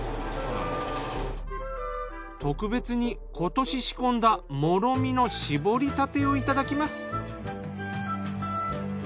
特別に今年仕込んだ醪の搾りたてをいただきます。